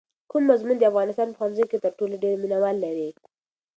کوم مضمون د افغانستان په ښوونځیو کې تر ټولو ډېر مینه وال لري؟